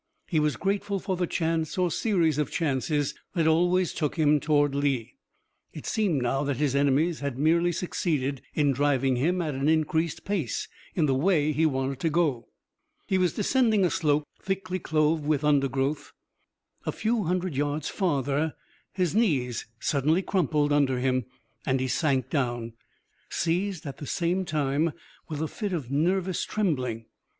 He was grateful for the chance or series of chances that always took him toward Lee. It seemed now that his enemies had merely succeeded in driving him at an increased pace in the way he wanted to go. He was descending a slope, thickly clothed with undergrowth. A few hundred yards farther his knees suddenly crumpled under him and he sank down, seized at the same time with a fit of nervous trembling.